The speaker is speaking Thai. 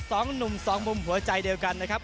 สองหนุ่มสองมุมหัวใจเดียวกันนะครับ